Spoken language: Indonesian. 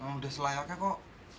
udah selayaknya kok